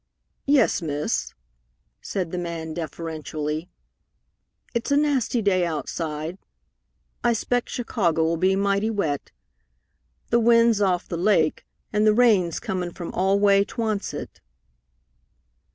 "Yes, miss," said the man deferentially. "It's a nasty day outside. I 'spect Chicago'll be mighty wet. De wind's off de lake, and de rain's comin' from all way 'twoncet."